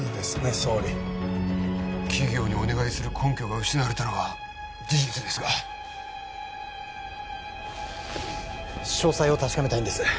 総理企業にお願いする根拠が失われたのは事実ですが詳細を確かめたいんです